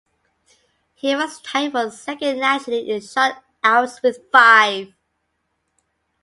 He was tied for second nationally in shutouts with five.